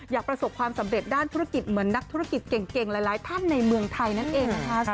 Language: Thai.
ประสบความสำเร็จด้านธุรกิจเหมือนนักธุรกิจเก่งหลายท่านในเมืองไทยนั่นเองนะคะ